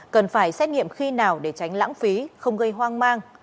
cần phải xét nghiệm khi nào để tránh lãng phí không gây hoang mang